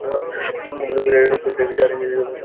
প্রথমত এরূপ লোক চাই, যাহার ইংরেজী এবং সংস্কৃতে বিশেষ বোধ।